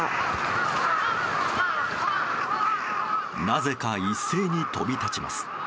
なぜか一斉に飛び立ちます。